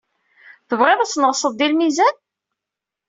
Tebɣiḍ ad tneɣseḍ di lmizan?